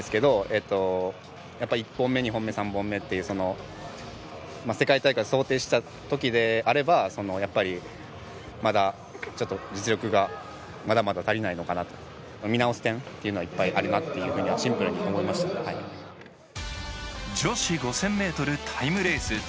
えっとやっぱ１本目２本目３本目っていうその世界大会想定した時であればそのやっぱりまだちょっと実力がまだまだ足りないのかなと見直す点っていうのはいっぱいあるなってシンプルに思いました女子５０００ｍタイムレース